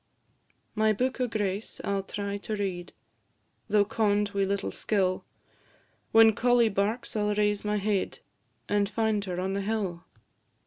My book o' grace I 'll try to read, Though conn'd wi' little skill; When collie barks I 'll raise my head, And find her on the hill.